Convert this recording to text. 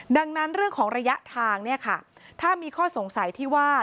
ดังนั้นเรื่องของระยะทางเนี่ยค่ะถ้ามีข้อสงสัยที่ว่า